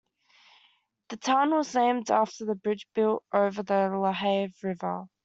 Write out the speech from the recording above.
The town was named after the bridge built over the LaHave River.